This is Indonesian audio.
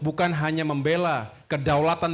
bukan hanya membela kedaulatan